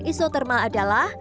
usap isotermal adalah